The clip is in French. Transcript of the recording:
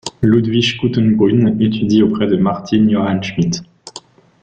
Ludwig Guttenbrunn étudie auprès de Martin Johann Schmidt.